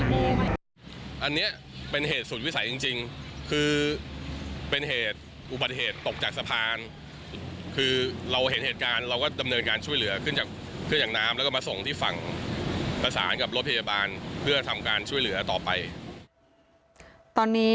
ตอนนี้ผู้บาดเจ็บขึ้นมาจากน้ำแล้วก็มาส่งที่ฝั่งประสานกับรถพยาบาลเพื่อทำการช่วยเหลือต่อไป